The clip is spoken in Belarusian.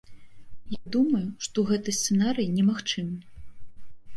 Я думаю, што гэты сцэнарый немагчымы.